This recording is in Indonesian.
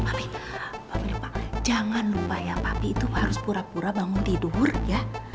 papi papi lupa jangan lupa ya papi itu harus pura pura bangun tidur ya